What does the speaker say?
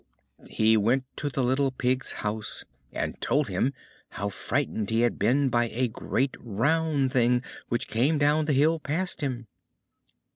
He went to the little Pig's house, and told him how frightened he had been by a great round thing which came down the hill past him.